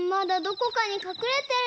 ここにかくれてる！